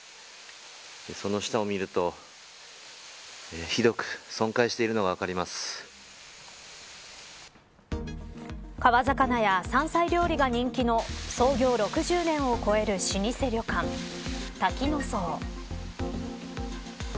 その下を見るとひどく損壊しているのが川魚や山菜料理が人気の創業６０年を超える老舗旅館滝乃荘。